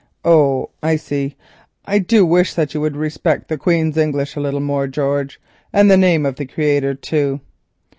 "Oh, I see. I do wish that you would respect the Queen's English a little more, George, and the name of the Creator too.